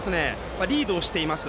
リードをしています。